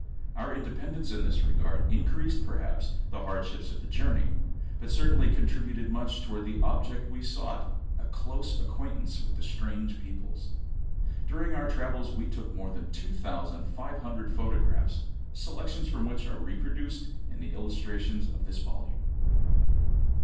Our independence in this regard increased, perhaps, the hardships of the journey, but certainly contributed much toward the object we sought — a close acquaintance with strange peoples. During our travels we took more than two thousand five hundred photographs, selections from which are reproduced in the illustrations of this volume.